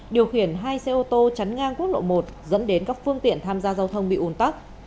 điều khiển hai xe ô tô chắn ngang quốc lộ một dẫn đến các phương tiện tham gia giao thông bị ủn tắc